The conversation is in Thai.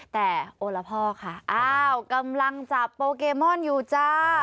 แต่โอละพ่อค่ะอ้าวกำลังจับโปเกมอนอยู่จ้า